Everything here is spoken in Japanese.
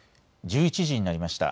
１１時になりました。